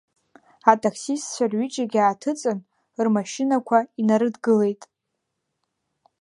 Атаксистцәа рҩыџьагьы ааҭыҵын, рмашьынақәа инарыдгылеит.